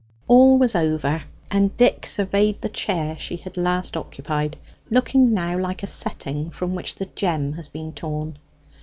All was over; and Dick surveyed the chair she had last occupied, looking now like a setting from which the gem has been torn.